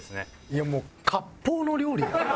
いやもう割烹の料理やん。